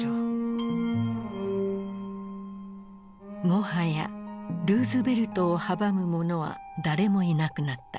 もはやルーズベルトを阻む者は誰もいなくなった。